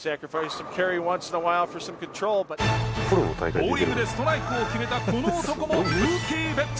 ボウリングでストライクを決めたこの男もムーキー・ベッツ。